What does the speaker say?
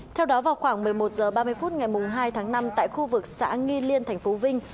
theo đó vào khoảng một mươi một h ba mươi phút ngày hai tháng năm tại khu vực xã nghi liên tp vinh